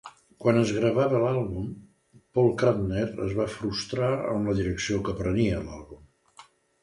Quan es gravava l'àlbum, Paul Kantner es va frustrar amb la direcció que prenia l'àlbum.